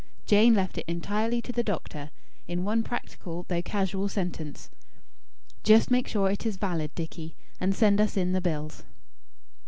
Jane left it entirely to the doctor, in one practical though casual sentence: "Just make sure it is valid, Dicky; and send us in the bills."